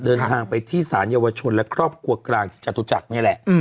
เดินทางไปที่สารเยาวชนและครอบครัวกลางที่จตุจักรนี่แหละ